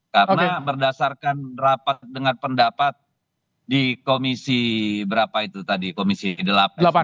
karena berdasarkan rapat dengan pendapat di komisi berapa itu tadi komisi delapan